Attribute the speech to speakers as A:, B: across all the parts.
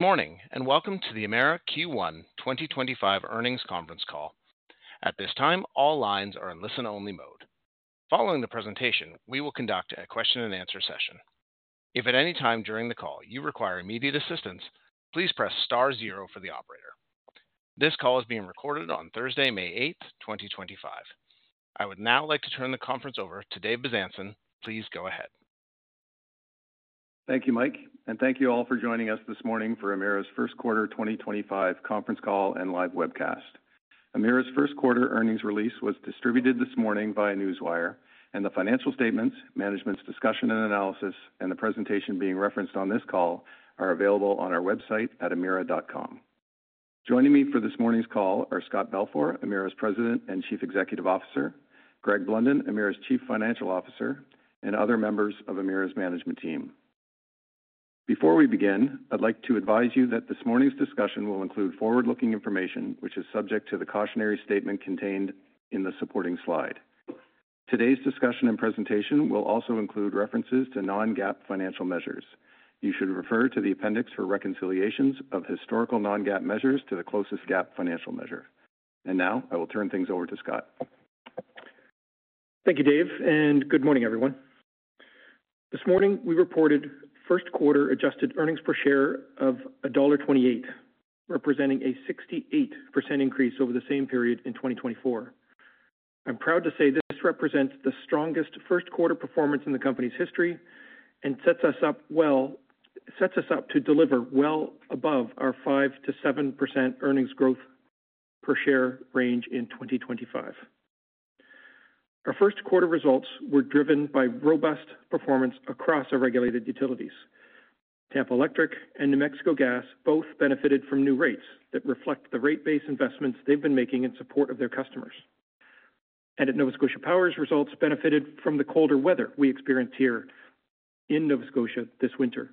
A: Good morning, and welcome to the Emera Q1 2025 earnings conference call. At this time, all lines are in listen-only mode. Following the presentation, we will conduct a question-and-answer session. If at any time during the call you require immediate assistance, please press star zero for the operator. This call is being recorded on Thursday, May 8, 2025. I would now like to turn the conference over to Dave Bezanson. Please go ahead.
B: Thank you, Mike, and thank you all for joining us this morning for Emera's first quarter 2025 conference call and live webcast. Emera's first quarter earnings release was distributed this morning by Newswire, and the financial statements, management's discussion and analysis, and the presentation being referenced on this call are available on our website at emera.com. Joining me for this morning's call are Scott Balfour, Emera's President and Chief Executive Officer, Greg Blunden, Emera's Chief Financial Officer, and other members of Emera's management team. Before we begin, I'd like to advise you that this morning's discussion will include forward-looking information, which is subject to the cautionary statement contained in the supporting slide. Today's discussion and presentation will also include references to non-GAAP financial measures. You should refer to the appendix for reconciliations of historical non-GAAP measures to the closest GAAP financial measure. Now I will turn things over to Scott.
C: Thank you, Dave, and good morning, everyone. This morning, we reported first quarter adjusted earnings per share of dollar 1.28, representing a 68% increase over the same period in 2024. I'm proud to say this represents the strongest first quarter performance in the company's history and sets us up well to deliver well above our 5%-7% earnings growth per share range in 2025. Our first quarter results were driven by robust performance across our regulated utilities. Tampa Electric and New Mexico Gas both benefited from new rates that reflect the rate base investments they've been making in support of their customers, and at Nova Scotia Power, results benefited from the colder weather we experienced here in Nova Scotia this winter.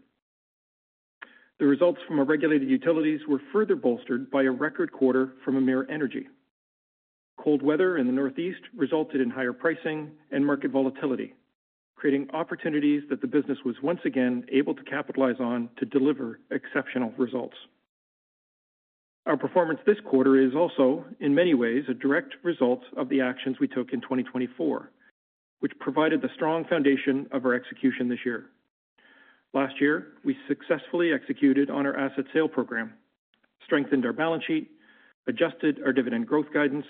C: The results from our regulated utilities were further bolstered by a record quarter from Emera Energy. Cold weather in the Northeast resulted in higher pricing and market volatility, creating opportunities that the business was once again able to capitalize on to deliver exceptional results. Our performance this quarter is also, in many ways, a direct result of the actions we took in 2024, which provided the strong foundation of our execution this year. Last year, we successfully executed on our asset sale program, strengthened our balance sheet, adjusted our dividend growth guidance,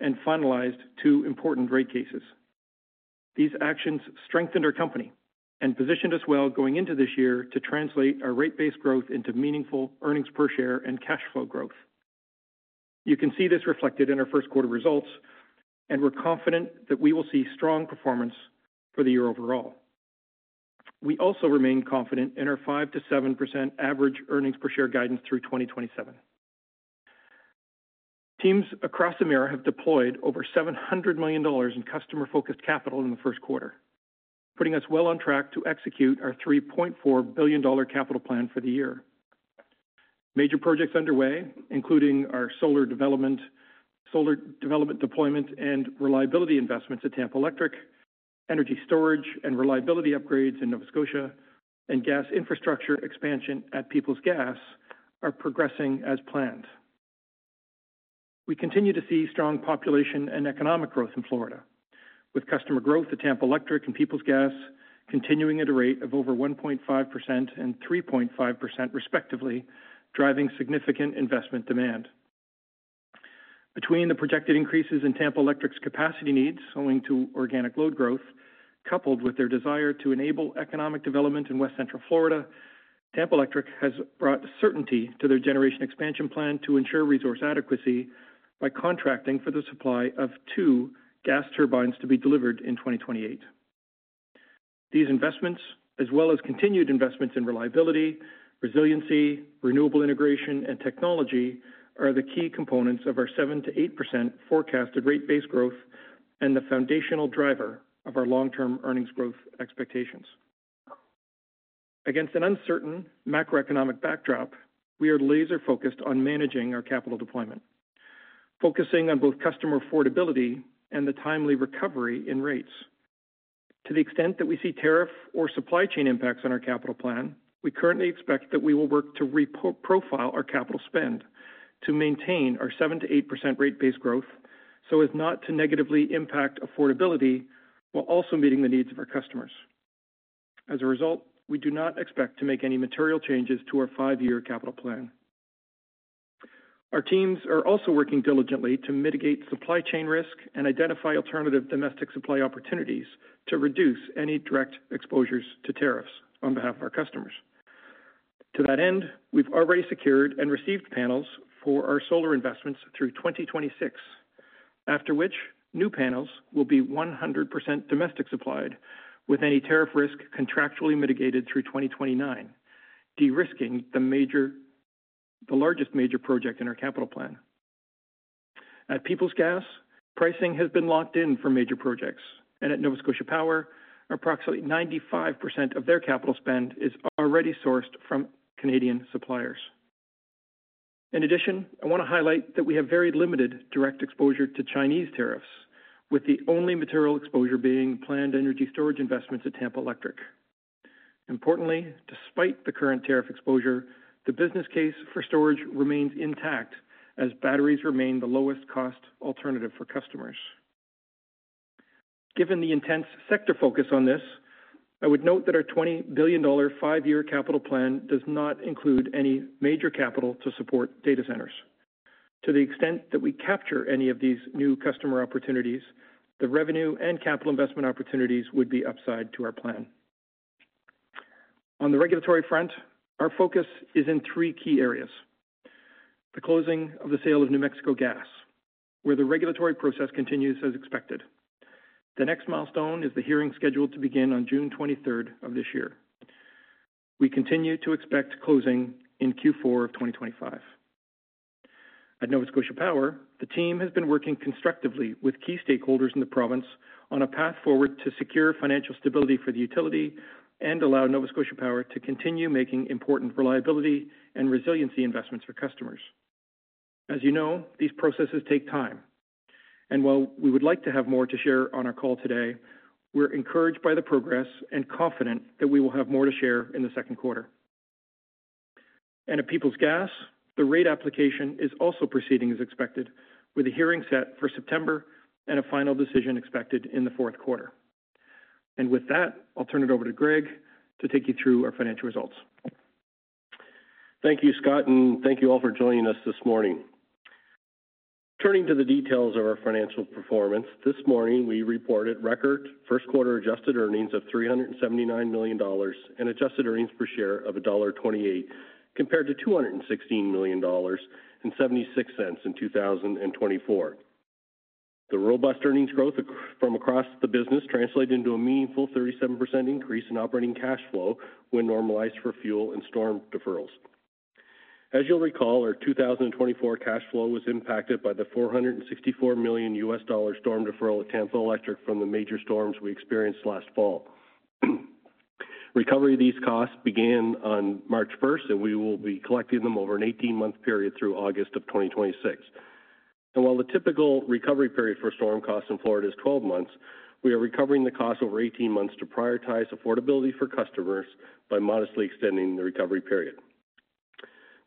C: and finalized two important rate cases. These actions strengthened our company and positioned us well going into this year to translate our rate-based growth into meaningful earnings per share and cash flow growth. You can see this reflected in our first quarter results, and we're confident that we will see strong performance for the year overall. We also remain confident in our 5%-7% average earnings per share guidance through 2027. Teams across Emera have deployed over 700 million dollars in customer-focused capital in the first quarter, putting us well on track to execute our 3.4 billion dollar capital plan for the year. Major projects underway, including our solar development, solar development deployment, and reliability investments at Tampa Electric, energy storage and reliability upgrades in Nova Scotia, and gas infrastructure expansion at Peoples Gas, are progressing as planned. We continue to see strong population and economic growth in Florida, with customer growth at Tampa Electric and Peoples Gas continuing at a rate of over 1.5% and 3.5% respectively, driving significant investment demand. Between the projected increases in Tampa Electric's capacity needs owing to organic load growth, coupled with their desire to enable economic development in West Central Florida, Tampa Electric has brought certainty to their generation expansion plan to ensure resource adequacy by contracting for the supply of two gas turbines to be delivered in 2028. These investments, as well as continued investments in reliability, resiliency, renewable integration, and technology, are the key components of our 7%-8% forecasted rate-based growth and the foundational driver of our long-term earnings growth expectations. Against an uncertain macroeconomic backdrop, we are laser-focused on managing our capital deployment, focusing on both customer affordability and the timely recovery in rates. To the extent that we see tariff or supply chain impacts on our capital plan, we currently expect that we will work to reprofile our capital spend to maintain our 7%-8% rate-based growth so as not to negatively impact affordability while also meeting the needs of our customers. As a result, we do not expect to make any material changes to our five-year capital plan. Our teams are also working diligently to mitigate supply chain risk and identify alternative domestic supply opportunities to reduce any direct exposures to tariffs on behalf of our customers. To that end, we've already secured and received panels for our solar investments through 2026, after which new panels will be 100% domestic supplied with any tariff risk contractually mitigated through 2029, de-risking the largest major project in our capital plan. At Peoples Gas, pricing has been locked in for major projects, and at Nova Scotia Power, approximately 95% of their capital spend is already sourced from Canadian suppliers. In addition, I want to highlight that we have very limited direct exposure to Chinese tariffs, with the only material exposure being planned energy storage investments at Tampa Electric. Importantly, despite the current tariff exposure, the business case for storage remains intact as batteries remain the lowest-cost alternative for customers. Given the intense sector focus on this, I would note that our 20 billion dollar five-year capital plan does not include any major capital to support data centers. To the extent that we capture any of these new customer opportunities, the revenue and capital investment opportunities would be upside to our plan. On the regulatory front, our focus is in three key areas: the closing of the sale of New Mexico Gas, where the regulatory process continues as expected. The next milestone is the hearing scheduled to begin on June 23rd of this year. We continue to expect closing in Q4 of 2025. At Nova Scotia Power, the team has been working constructively with key stakeholders in the province on a path forward to secure financial stability for the utility and allow Nova Scotia Power to continue making important reliability and resiliency investments for customers. As you know, these processes take time, and while we would like to have more to share on our call today, we're encouraged by the progress and confident that we will have more to share in the second quarter. At Peoples Gas, the rate application is also proceeding as expected, with a hearing set for September and a final decision expected in the fourth quarter. With that, I'll turn it over to Greg to take you through our financial results.
D: Thank you, Scott, and thank you all for joining us this morning. Turning to the details of our financial performance, this morning we reported record first quarter adjusted earnings of 379 million dollars and adjusted earnings per share of dollar 1.28, compared to 216.76 dollars in 2024. The robust earnings growth from across the business translated into a meaningful 37% increase in operating cash flow when normalized for fuel and storm deferrals. As you'll recall, our 2024 cash flow was impacted by the CAD 464 million storm deferral at Tampa Electric from the major storms we experienced last fall. Recovery of these costs began on March 1st, and we will be collecting them over an 18-month period through August of 2026. And while the typical recovery period for storm costs in Florida is 12 months, we are recovering the cost over 18 months to prioritize affordability for customers by modestly extending the recovery period.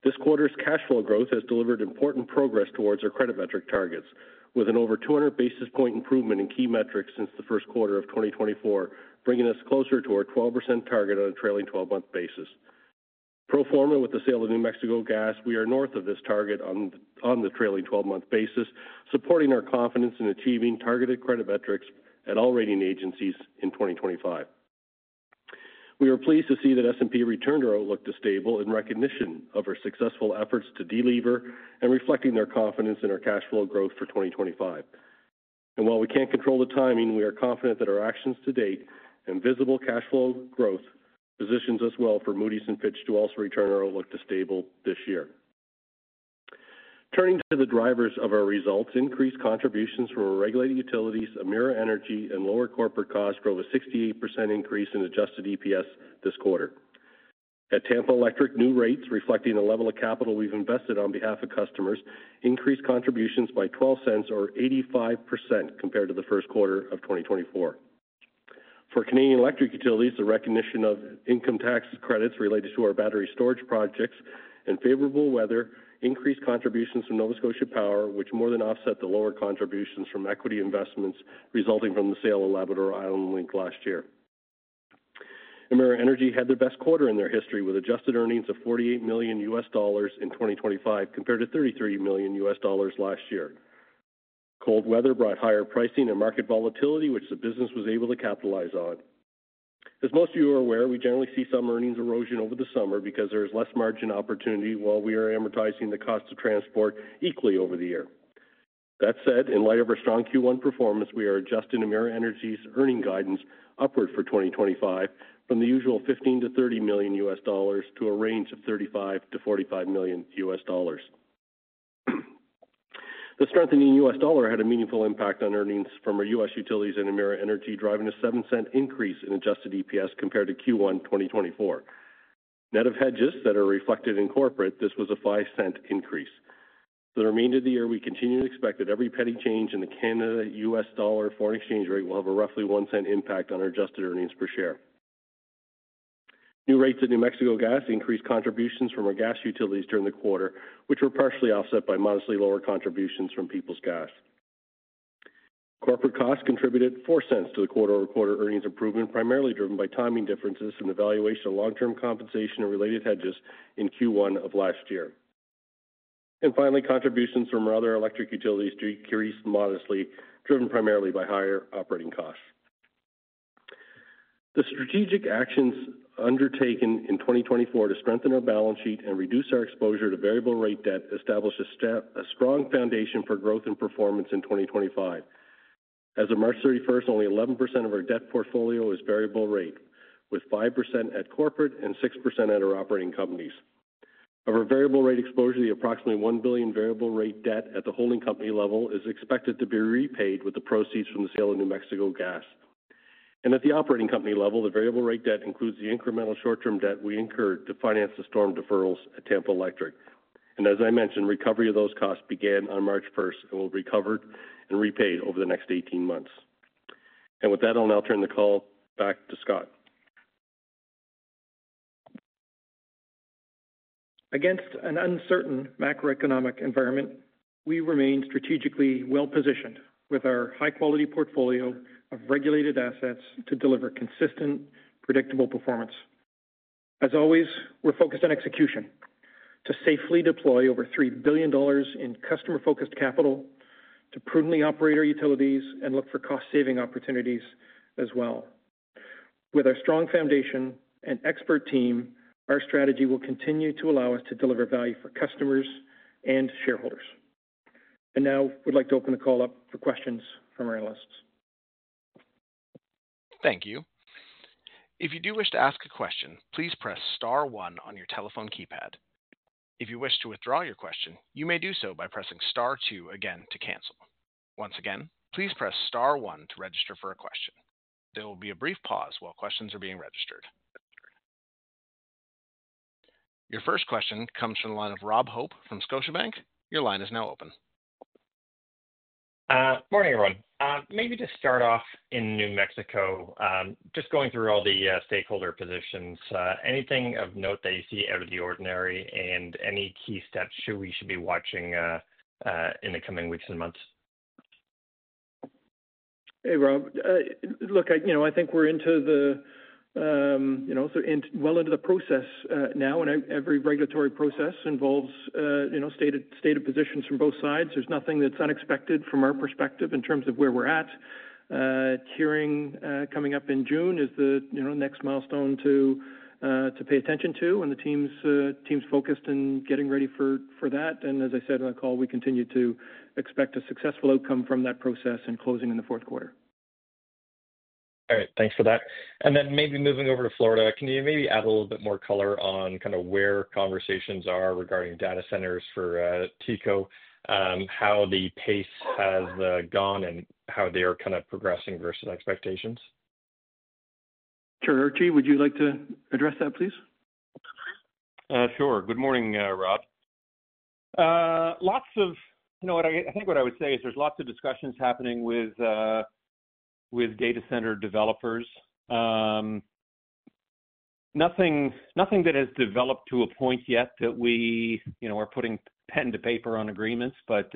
D: This quarter's cash flow growth has delivered important progress towards our credit metric targets, with an over 200 basis point improvement in key metrics since the first quarter of 2024, bringing us closer to our 12% target on a trailing 12-month basis. Pro forma with the sale of New Mexico Gas, we are north of this target on the trailing 12-month basis, supporting our confidence in achieving targeted credit metrics at all rating agencies in 2025. We are pleased to see that S&P returned our outlook to stable in recognition of our successful efforts to deliver and reflecting their confidence in our cash flow growth for 2025. and while we can't control the timing, we are confident that our actions to date and visible cash flow growth positions us well for Moody's and Fitch to also return our outlook to stable this year. Turning to the drivers of our results, increased contributions from our regulated utilities, Emera Energy, and lower corporate costs drove a 68% increase in adjusted EPS this quarter. At Tampa Electric, new rates, reflecting the level of capital we've invested on behalf of customers, increased contributions by 0.12, or 85% compared to the first quarter of 2024. For Canadian electric utilities, the recognition of income tax credits related to our battery storage projects and favorable weather increased contributions from Nova Scotia Power, which more than offset the lower contributions from equity investments resulting from the sale of Labrador Island Link last year. Emera Energy had their best quarter in their history with adjusted earnings of CAD 48 million in 2025 compared to CAD 33 million last year. Cold weather brought higher pricing and market volatility, which the business was able to capitalize on. As most of you are aware, we generally see some earnings erosion over the summer because there is less margin opportunity while we are amortizing the cost of transport equally over the year. That said, in light of our strong Q1 performance, we are adjusting Emera Energy's earnings guidance upward for 2025 from the usual $15-$30 million to a range of $35-$45 million. The strengthening US dollar had a meaningful impact on earnings from our US utilities and Emera Energy, driving a $0.07 increase in adjusted EPS compared to Q1 2024. Net of hedges that are reflected in corporate, this was a $0.05 increase. For the remainder of the year, we continue to expect that every penny change in the Canadian-US dollar foreign exchange rate will have a roughly $0.01 impact on our adjusted earnings per share. New rates at New Mexico Gas increased contributions from our gas utilities during the quarter, which were partially offset by modestly lower contributions from Peoples Gas. Corporate costs contributed $0.04 to the quarter-over-quarter earnings improvement, primarily driven by timing differences in the valuation of long-term compensation and related hedges in Q1 of last year. Finally, contributions from our other electric utilities decreased modestly, driven primarily by higher operating costs. The strategic actions undertaken in 2024 to strengthen our balance sheet and reduce our exposure to variable rate debt established a strong foundation for growth and performance in 2025. As of March 31st, only 11% of our debt portfolio is variable rate, with 5% at corporate and 6% at our operating companies. Our variable rate exposure, the approximately 1 billion variable rate debt at the holding company level, is expected to be repaid with the proceeds from the sale of New Mexico Gas. And at the operating company level, the variable rate debt includes the incremental short-term debt we incurred to finance the storm deferrals at Tampa Electric. And as I mentioned, recovery of those costs began on March 1st and will be recovered and repaid over the next 18 months. And with that, I'll now turn the call back to Scott.
C: Against an uncertain macroeconomic environment, we remain strategically well-positioned with our high-quality portfolio of regulated assets to deliver consistent, predictable performance. As always, we're focused on execution to safely deploy over 3 billion dollars in customer-focused capital to prudently operate our utilities and look for cost-saving opportunities as well. With our strong foundation and expert team, our strategy will continue to allow us to deliver value for customers and shareholders. And now we'd like to open the call up for questions from our analysts.
A: Thank you. If you do wish to ask a question, please press Star 1 on your telephone keypad. If you wish to withdraw your question, you may do so by pressing Star 2 again to cancel. Once again, please press Star 1 to register for a question. There will be a brief pause while questions are being registered. Your first question comes from the line of Rob Hope from Scotiabank. Your line is now open.
E: Morning, everyone. Maybe to start off in New Mexico, just going through all the stakeholder positions, anything of note that you see out of the ordinary and any key steps we should be watching in the coming weeks and months?
C: Hey, Rob. Look, you know, I think we're so well into the process now, and every regulatory process involves stated positions from both sides. There's nothing that's unexpected from our perspective in terms of where we're at. Hearing coming up in June is the next milestone to pay attention to, and the team's focused in getting ready for that, and as I said in the call, we continue to expect a successful outcome from that process and closing in the fourth quarter.
E: All right. Thanks for that. And then maybe moving over to Florida, can you maybe add a little bit more color on kind of where conversations are regarding data centers for TECO, how the pace has gone and how they are kind of progressing versus expectations?
C: Sure, Archie, would you like to address that, please?
F: Sure. Good morning, Rob. Lots of, you know, I think what I would say is there's lots of discussions happening with data center developers. Nothing that has developed to a point yet that we, you know, are putting pen to paper on agreements, but,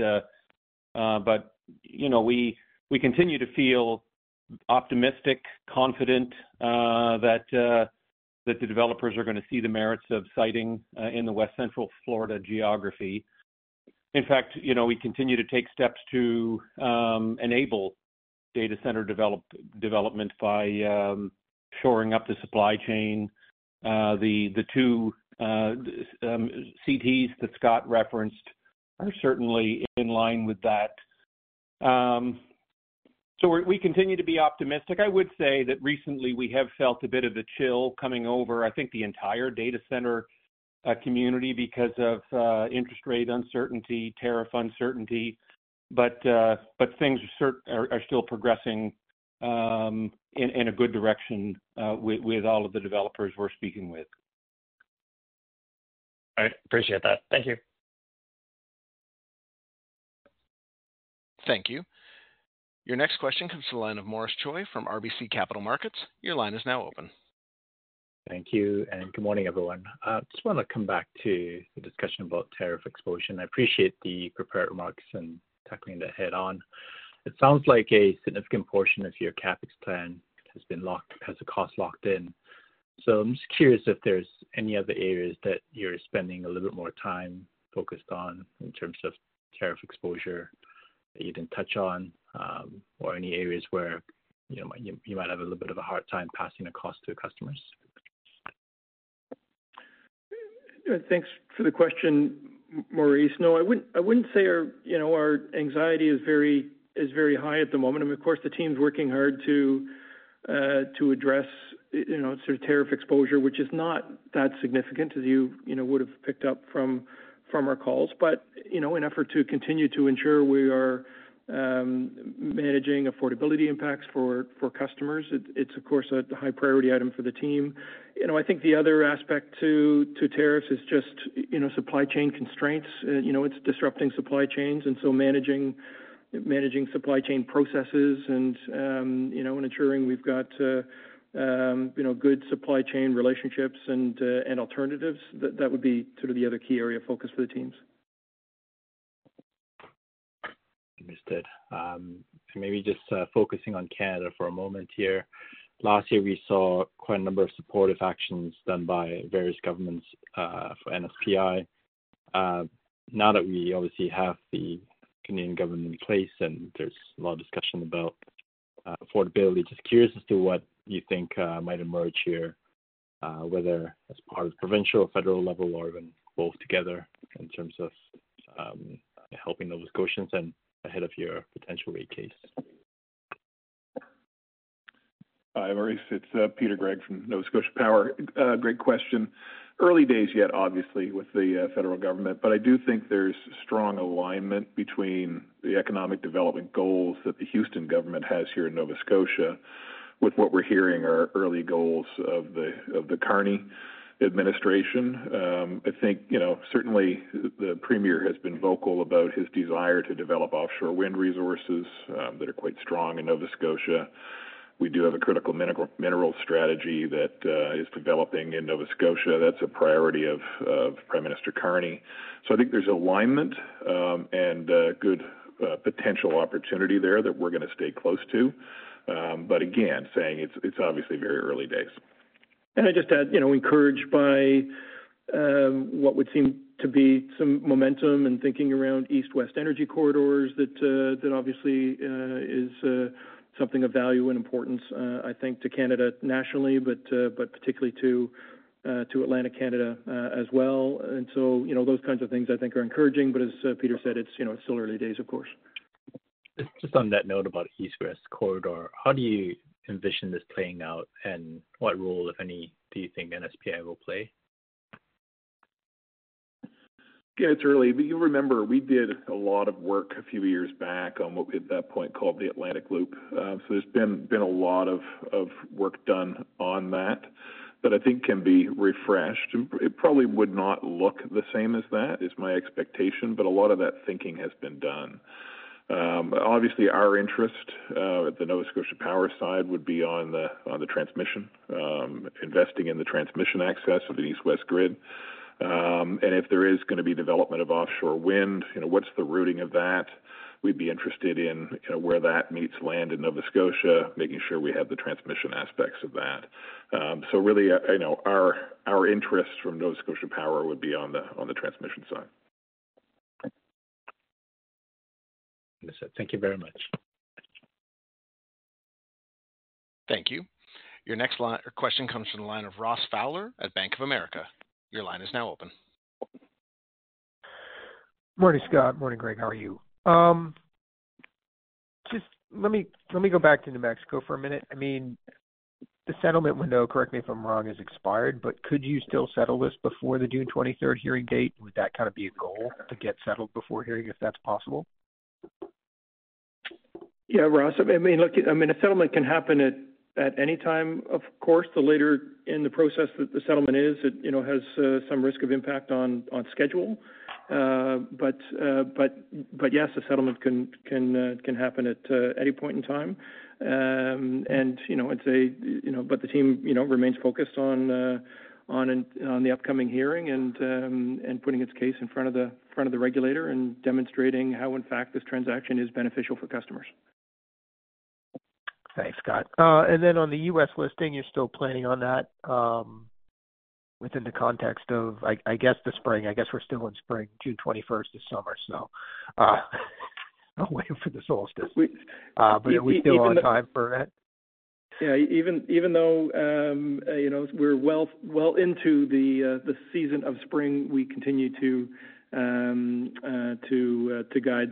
F: you know, we continue to feel optimistic, confident that the developers are going to see the merits of siting in the West Central Florida geography. In fact, you know, we continue to take steps to enable data center development by shoring up the supply chain. The two CTs that Scott referenced are certainly in line with that. So we continue to be optimistic. I would say that recently we have felt a bit of a chill coming over, I think, the entire data center community because of interest rate uncertainty, tariff uncertainty, but things are still progressing in a good direction with all of the developers we're speaking with.
E: All right. Appreciate that. Thank you.
A: Thank you. Your next question comes to the line of Maurice Choy from RBC Capital Markets. Your line is now open.
G: Thank you. And good morning, everyone. I just want to come back to the discussion about tariff exposure. And I appreciate the prepared remarks and tackling that head-on. It sounds like a significant portion of your CapEx plan has been locked, has a cost locked in. So I'm just curious if there's any other areas that you're spending a little bit more time focused on in terms of tariff exposure that you didn't touch on or any areas where you might have a little bit of a hard time passing a cost to customers.
C: Thanks for the question, Maurice. No, I wouldn't say our anxiety is very high at the moment, and of course, the team's working hard to address, you know, sort of tariff exposure, which is not that significant, as you would have picked up from our calls, but, you know, in an effort to continue to ensure we are managing affordability impacts for customers, it's, of course, a high-priority item for the team. You know, I think the other aspect to tariffs is just, you know, supply chain constraints. You know, it's disrupting supply chains, and so managing supply chain processes and, you know, ensuring we've got, you know, good supply chain relationships and alternatives, that would be sort of the other key area of focus for the teams.
G: Understood. And maybe just focusing on Canada for a moment here. Last year, we saw quite a number of supportive actions done by various governments for NSPI. Now that we obviously have the Canadian government in place and there's a lot of discussion about affordability, just curious as to what you think might emerge here, whether as part of provincial or federal level or even both together in terms of helping Nova Scotians and ahead of your potential rate case.
H: Hi, Maurice. It's Peter Gregg from Nova Scotia Power. Great question. Early days yet, obviously, with the federal government, but I do think there's strong alignment between the economic development goals that the Houston government has here in Nova Scotia with what we're hearing are early goals of the Carney administration. I think, you know, certainly the Premier has been vocal about his desire to develop offshore wind resources that are quite strong in Nova Scotia. We do have a critical mineral strategy that is developing in Nova Scotia. That's a priority of Prime Minister Carney. So I think there's alignment and good potential opportunity there that we're going to stay close to. But again, saying it's obviously very early days.
C: And I just add, you know, encouraged by what would seem to be some momentum and thinking around east-west energy corridors that obviously is something of value and importance, I think, to Canada nationally, but particularly to Atlantic Canada as well. And so, you know, those kinds of things I think are encouraging. But as Peter said, it's, you know, still early days, of course.
G: Just on that note about east-west corridor, how do you envision this playing out and what role, if any, do you think NSPI will play?
C: Yeah, it's early. But you remember, we did a lot of work a few years back on what we at that point called the Atlantic Loop. So there's been a lot of work done on that that I think can be refreshed. It probably would not look the same as that, is my expectation, but a lot of that thinking has been done. Obviously, our interest at the Nova Scotia Power side would be on the transmission, investing in the transmission access of the east-west grid. And if there is going to be development of offshore wind, you know, what's the routing of that? We'd be interested in where that meets land in Nova Scotia, making sure we have the transmission aspects of that. So really, you know, our interest from Nova Scotia Power would be on the transmission side.
G: Understood. Thank you very much.
A: Thank you. Your next question comes from the line of Ross Fowler at Bank of America. Your line is now open.
I: Morning, Scott. Morning, Gregg. How are you? Just let me go back to New Mexico for a minute. I mean, the settlement window, correct me if I'm wrong, has expired, but could you still settle this before the June 23rd hearing date? Would that kind of be a goal to get settled before hearing if that's possible?
C: Yeah, Ross. I mean, look, I mean, a settlement can happen at any time, of course. The later in the process that the settlement is, it, you know, has some risk of impact on schedule. But yes, a settlement can happen at any point in time. And, you know, it's a, you know, but the team, you know, remains focused on the upcoming hearing and putting its case in front of the regulator and demonstrating how, in fact, this transaction is beneficial for customers.
I: Thanks, Scott. And then on the U.S. listing, you're still planning on that within the context of, I guess, the spring. I guess we're still in spring. June 21st is summer, so waiting for the solstice. But are we still on time for that?
C: Yeah. Even though, you know, we're well into the season of spring, we continue to guide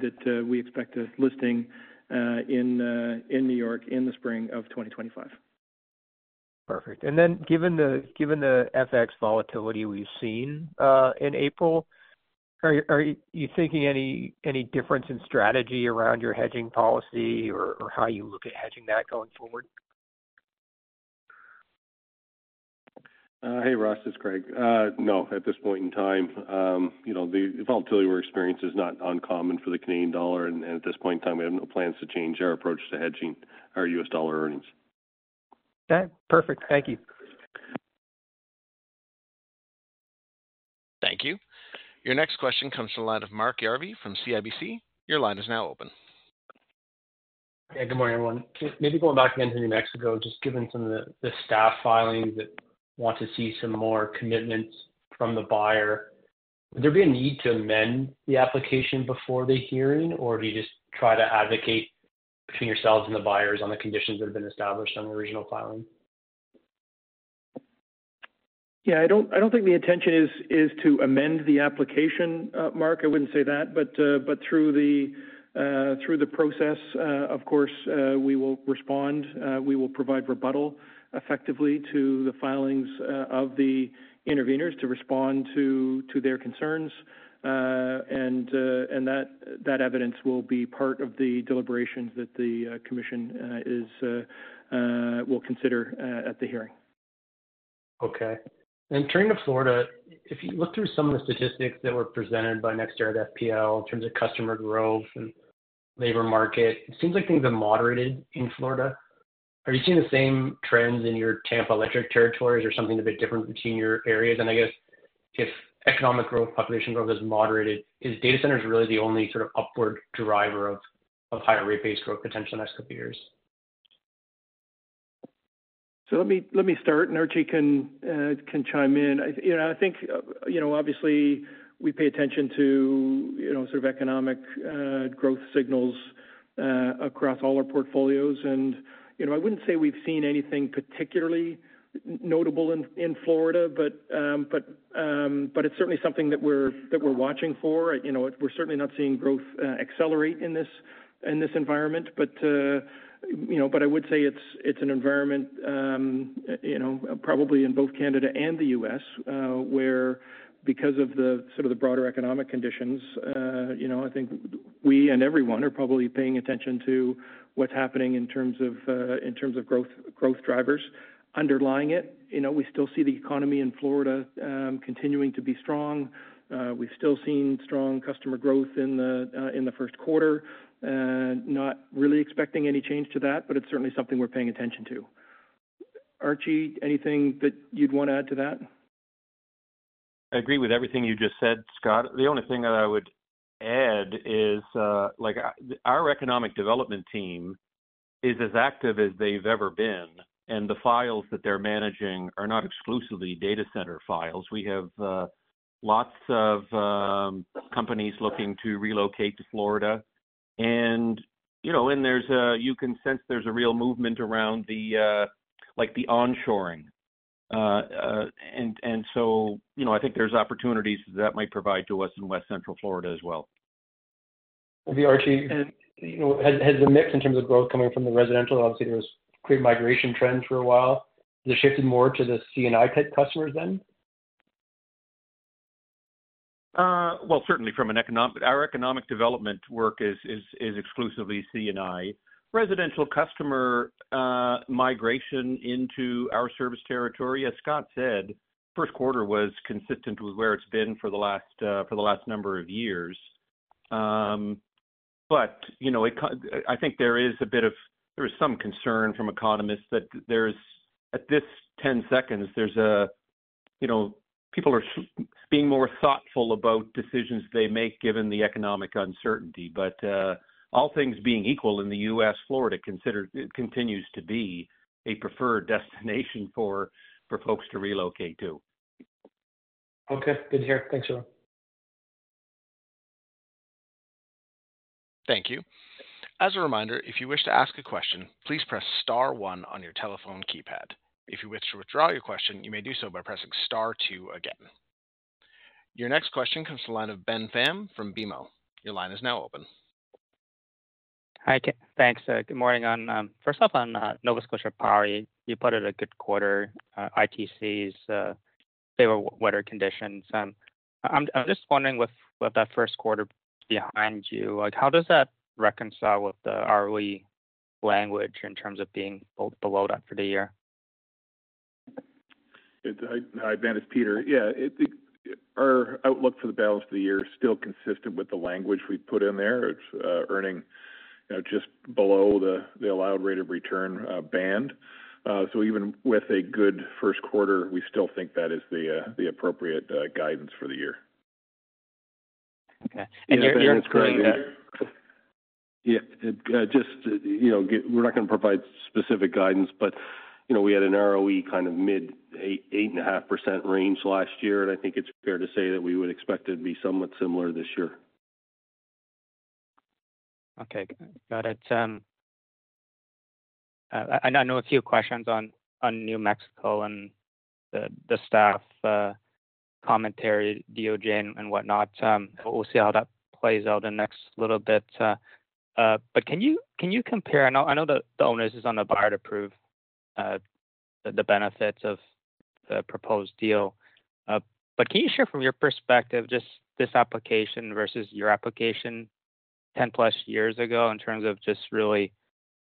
C: that we expect a listing in New York in the spring of 2025.
I: Perfect. And then given the FX volatility we've seen in April, are you thinking any difference in strategy around your hedging policy or how you look at hedging that going forward?
H: Hey, Ross, this is Gregg. No, at this point in time, you know, the volatility we're experiencing is not uncommon for the Canadian dollar, and at this point in time, we have no plans to change our approach to hedging our US dollar earnings.
I: Okay. Perfect. Thank you.
A: Thank you. Your next question comes from the line of Mark Jarvi from CIBC. Your line is now open.
J: Yeah, good morning, everyone. Maybe going back again to New Mexico, just given some of the staff filings that want to see some more commitments from the buyer, would there be a need to amend the application before the hearing, or do you just try to advocate between yourselves and the buyers on the conditions that have been established on the original filing?
C: Yeah, I don't think the intention is to amend the application, Mark. I wouldn't say that. But through the process, of course, we will respond. We will provide rebuttal effectively to the filings of the interveners to respond to their concerns. And that evidence will be part of the deliberations that the commission will consider at the hearing.
J: Okay. And turning to Florida, if you look through some of the statistics that were presented by NextEra FPL in terms of customer growth and labor market, it seems like things are moderated in Florida. Are you seeing the same trends in your Tampa Electric territories or something a bit different between your areas? And I guess if economic growth, population growth is moderated, is data centers really the only sort of upward driver of higher rate-based growth potential in the next couple of years?
C: So let me start, and Archie can chime in. You know, I think, you know, obviously, we pay attention to, you know, sort of economic growth signals across all our portfolios. And, you know, I wouldn't say we've seen anything particularly notable in Florida, but it's certainly something that we're watching for. You know, we're certainly not seeing growth accelerate in this environment. But, you know, I would say it's an environment, you know, probably in both Canada and the U.S., where because of the sort of the broader economic conditions, you know, I think we and everyone are probably paying attention to what's happening in terms of growth drivers underlying it. You know, we still see the economy in Florida continuing to be strong. We've still seen strong customer growth in the first quarter. Not really expecting any change to that, but it's certainly something we're paying attention to. Archie, anything that you'd want to add to that?
F: I agree with everything you just said, Scott. The only thing that I would add is, like, our economic development team is as active as they've ever been. And the files that they're managing are not exclusively data center files. We have lots of companies looking to relocate to Florida. And, you know, and there's, you can sense there's a real movement around the, like, the onshoring. And so, you know, I think there's opportunities that that might provide to us in West Central Florida as well.
J: And Archie, you know, has the mix in terms of growth coming from the residential, obviously, there was great migration trends for a while. Has it shifted more to the C&I type customers than?
F: Certainly from an economic, our economic development work is exclusively C&I. Residential customer migration into our service territory, as Scott said, first quarter was consistent with where it's been for the last number of years. But, you know, I think there is a bit of, there is some concern from economists that there's, you know, people are being more thoughtful about decisions they make given the economic uncertainty. But all things being equal in the U.S., Florida continues to be a preferred destination for folks to relocate to.
J: Okay. Good to hear. Thanks, Joe.
A: Thank you. As a reminder, if you wish to ask a question, please press star one on your telephone keypad. If you wish to withdraw your question, you may do so by pressing star two again. Your next question comes from the line of Ben Pham from BMO. Your line is now open.
K: Hi, thanks. Good morning. First off, on Nova Scotia Power, you put up a good quarter, its favorable weather conditions. I'm just wondering with that first quarter behind you, like, how does that reconcile with the early language in terms of being below that for the year?
H: I've managed Peter. Yeah, our outlook for the balance of the year is still consistent with the language we've put in there. It's earning, you know, just below the allowed rate of return band. So even with a good first quarter, we still think that is the appropriate guidance for the year.
K: Okay. And you're correct.
H: Yeah, just, you know, we're not going to provide specific guidance, but, you know, we had an ROE kind of mid 8.5% range last year. And I think it's fair to say that we would expect it to be somewhat similar this year.
K: Okay. Got it. I know a few questions on New Mexico and the staff commentary, DOJ and whatnot. We'll see how that plays out in the next little bit. But can you compare? I know the onus is on the buyer to prove the benefits of the proposed deal. But can you share from your perspective, just this application versus your application 10 plus years ago in terms of just really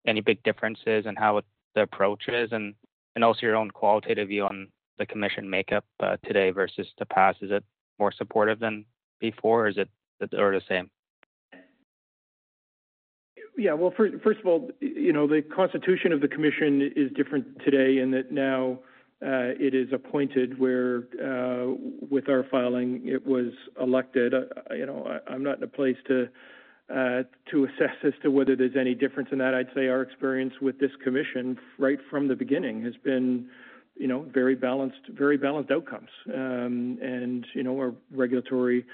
K: any big differences and how the approach is and also your own qualitative view on the commission makeup today versus the past? Is it more supportive than before or is it the same?
C: Yeah. Well, first of all, you know, the constitution of the commission is different today in that now it is appointed where with our filing, it was elected. You know, I'm not in a place to assess as to whether there's any difference in that. I'd say our experience with this commission right from the beginning has been, you know, very balanced, very balanced outcomes. And, you know, our regulatory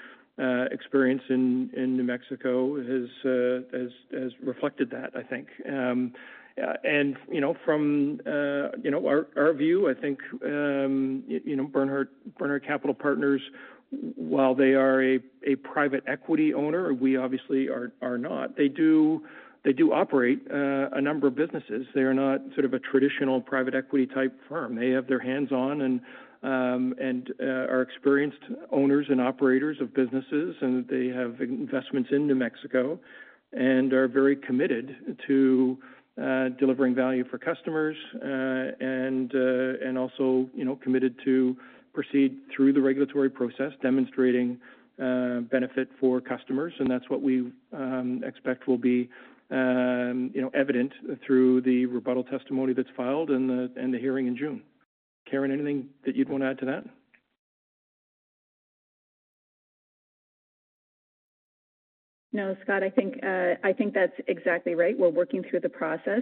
C: experience in New Mexico has reflected that, I think. And, you know, from, you know, our view, I think, you know, Bernhard Capital Partners, while they are a private equity owner, we obviously are not. They do operate a number of businesses. They are not sort of a traditional private equity type firm. They have their hands on and are experienced owners and operators of businesses. And they have investments in New Mexico and are very committed to delivering value for customers and also, you know, committed to proceed through the regulatory process, demonstrating benefit for customers. And that's what we expect will be, you know, evident through the rebuttal testimony that's filed and the hearing in June. Karen, anything that you'd want to add to that?
L: No, Scott, I think that's exactly right. We're working through the process.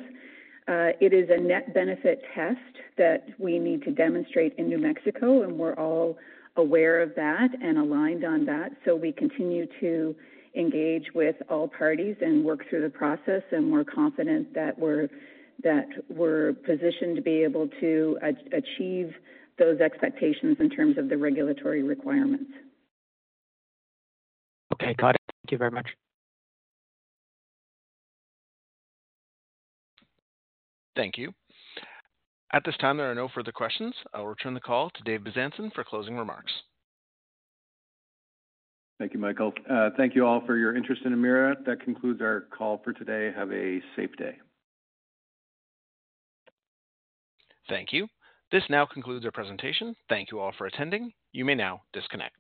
L: It is a net benefit test that we need to demonstrate in New Mexico. And we're all aware of that and aligned on that. So we continue to engage with all parties and work through the process. And we're confident that we're positioned to be able to achieve those expectations in terms of the regulatory requirements.
K: Okay. Got it. Thank you very much.
A: Thank you. At this time, there are no further questions. I'll return the call to Dave Bezanson for closing remarks.
B: Thank you, Michael. Thank you all for your interest in EMERA. That concludes our call for today. Have a safe day.
A: Thank you. This now concludes our presentation. Thank you all for attending. You may now disconnect.